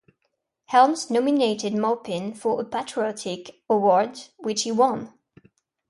Helms nominated Maupin for a patriotic award, which he won.